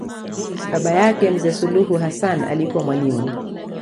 Baba yake mzee Suluhu Hassan alikuwa mwalimu